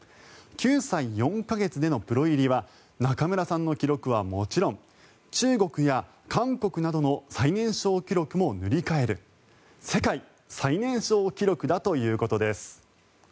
９歳４か月でのプロ入りは仲邑さんの記録はもちろん中国や韓国などの最年少記録も塗り替える世界最年少記録だということです。